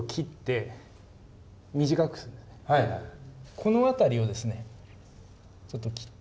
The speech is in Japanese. この辺りをですねちょっと切って。